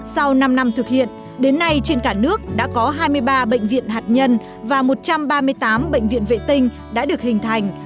sau năm năm thực hiện đến nay trên cả nước đã có hai mươi ba bệnh viện hạt nhân và một trăm ba mươi tám bệnh viện vệ tinh đã được hình thành